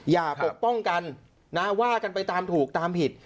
ปกป้องกันนะว่ากันไปตามถูกตามผิด